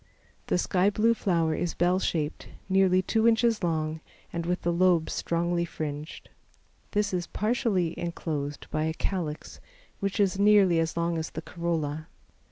The sky blue flower is bell shaped, nearly two inches long and with the lobes strongly fringed. This is partially enclosed by a calyx, which is nearly as long as the corolla.